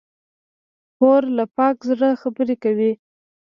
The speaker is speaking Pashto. خور له پاک زړه خبرې کوي.